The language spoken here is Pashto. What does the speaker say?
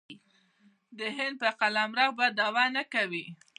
د هند په قلمرو به دعوه نه کوي.